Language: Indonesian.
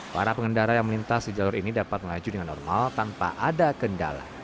para pengendara yang melintas di jalur ini dapat melaju dengan normal tanpa ada kendala